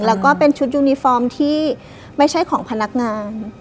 แล้วก็เป็นชุดยูนิฟอร์มที่ไม่ใช่ของพนักงาน